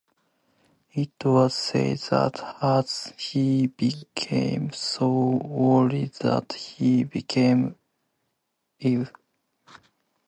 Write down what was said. It was said that he became so worried that he became ill.